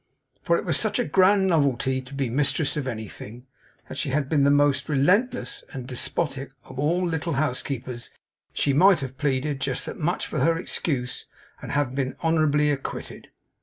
For it was such a grand novelty to be mistress of anything, that if she had been the most relentless and despotic of all little housekeepers, she might have pleaded just that much for her excuse, and have been honourably acquitted.